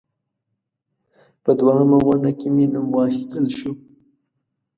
په دوهمه غونډه کې مې نوم واخیستل شو.